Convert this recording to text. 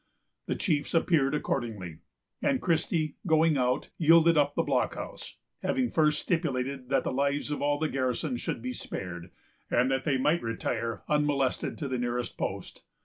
The chiefs appeared accordingly; and Christie, going out, yielded up the blockhouse; having first stipulated that the lives of all the garrison should be spared, and that they might retire unmolested to the nearest post.